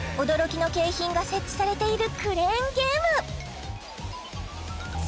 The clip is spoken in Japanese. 驚きの景品が設置されているクレーンゲーム